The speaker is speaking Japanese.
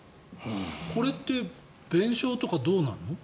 これって弁償とかどうなるの？